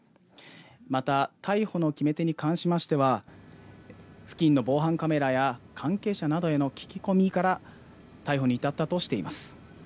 また、逮捕の決め手に関しましては、付近の防犯カメラや関係者などへの聞き込みから逮捕に至ったとしています。